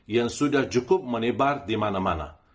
yang sudah cukup menebar di mana mana